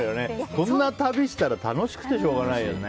こんな旅したら楽しくてしょうがないよね。